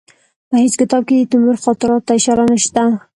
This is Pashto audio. په هېڅ کتاب کې د تیمور خاطراتو ته اشاره نشته.